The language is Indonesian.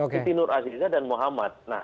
siti nur aziza dan muhammad